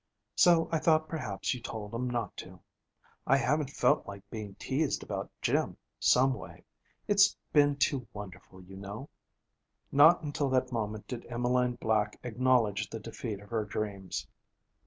So I thought perhaps you told 'em not to. I haven't felt like being teased about Jim, some way. It's been too wonderful, you know.' Not until that moment did Emmeline Black acknowledge the defeat of her dreams.